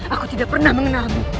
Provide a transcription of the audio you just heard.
aku tidak pernah mengenalmu